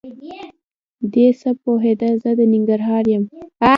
دی څه پوهېده زه د ننګرهار یم؟!